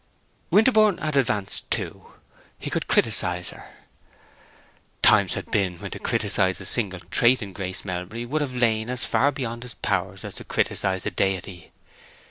Winterborne had advanced, too. He could criticise her. Times had been when to criticise a single trait in Grace Melbury would have lain as far beyond his powers as to criticise a deity.